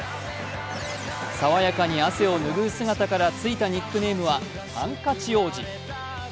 爽やかに汗を拭う姿からついたニックネームはハンカチ王子。